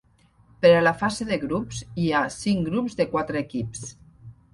Per a la fase de grups hi ha cinc grups de quatre equips.